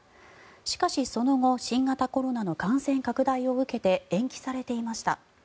しかし、その後新型コロナの感染拡大を受けて延期されていました。